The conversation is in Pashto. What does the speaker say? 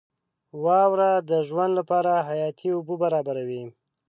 • واوره د ژوند لپاره حیاتي اوبه برابروي.